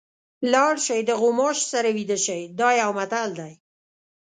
لاړ شئ د غوماشي سره ویده شئ دا یو متل دی.